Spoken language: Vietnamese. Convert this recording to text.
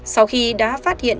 sau khi đã phát hiện